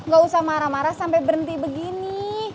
gak usah marah marah sampai berhenti begini